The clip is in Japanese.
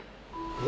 え？